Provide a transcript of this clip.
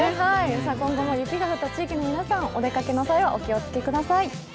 今後も雪が降った地域の皆さん、お出かけの際はお気をつけください。